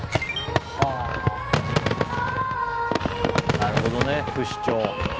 なるほどね不死鳥。